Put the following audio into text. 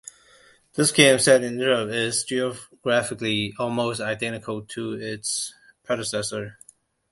This game, set in Europe, is graphically almost identical to its predecessor.